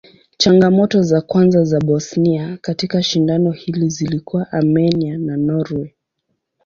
Changamoto za kwanza za Bosnia katika shindano hili zilikuwa Armenia na Norway.